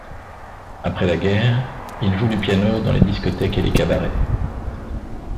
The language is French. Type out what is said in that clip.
Après la guerre, il joue du piano dans les discothèques et les cabarets.